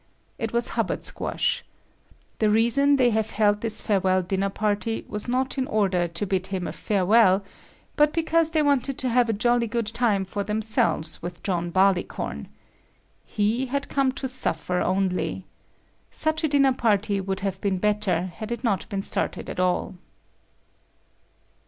It was Hubbard Squash. The reason they have held this farewell dinner party was not in order to bid him a farewell, but because they wanted to have a jolly good time for themselves with John Barleycorn. He had come to suffer only. Such a dinner party would have been better had it not been started at all.